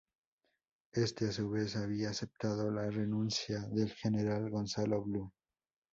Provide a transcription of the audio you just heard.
Este, a su vez, había aceptado la renuncia del general Gonzalo Blu.